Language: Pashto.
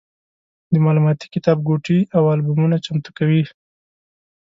د معلوماتي کتابګوټي او البومونه چمتو کوي.